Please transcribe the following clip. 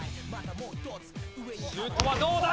シュートはどうだ？